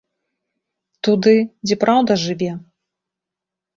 Туды, дзе праўда жыве!